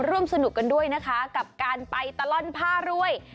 ร่วมสนุกกันด้วยนะคะกับการไปตะล่อนผ้ารวย